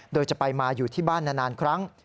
โดยจะไปมาอยู่ที่บ้านนานครั้ง